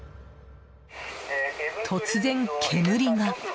突然、煙が。